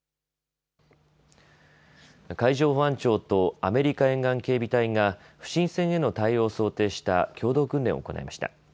海上保安庁とアメリカ沿岸警備隊が不審船への対応を想定した共同訓練を行いました。